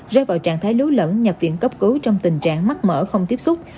rơi vào trạng thái lu lẫn nhập viện cấp cứu trong tình trạng mắc mở không tiếp xúc